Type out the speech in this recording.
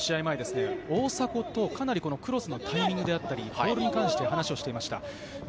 前、大迫と、かなりクロスのタイミングであったりボール関して話をしていました。